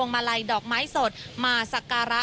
มาลัยดอกไม้สดมาสักการะ